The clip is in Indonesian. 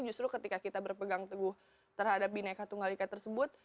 justru ketika kita berpegang teguh terhadap bineka tunggal ika tersebut